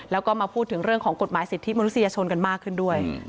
แล้วก็มาพูดถึงเรื่องของกฎหมายสิทธิมนุษยชนกันมากขึ้นด้วย